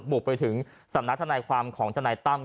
มาบุกไปถึงสนานตรายความของชนะตั้ม